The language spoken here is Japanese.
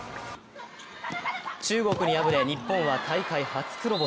中国に敗れ日本は大会初黒星。